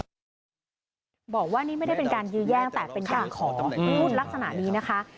บอกว่านี่ไม่ได้เป็นการยื้อแย่งแต่เป็นการขอพูดลักษณะนี้นะคะ